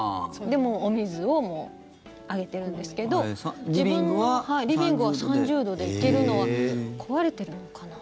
で、お水をあげてるんですけど自分、リビングは３０度で行けるのは壊れてるのかな？